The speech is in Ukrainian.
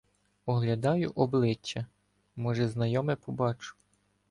Оглядаю обличчя — може, знайоме побачу.